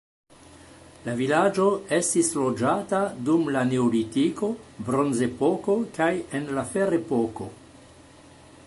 La vilaĝo estis loĝata dum la neolitiko, bronzepoko kaj en la ferepoko.